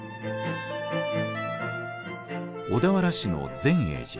小田原市の善栄寺。